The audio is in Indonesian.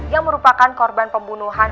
yang merupakan korban pembunuhan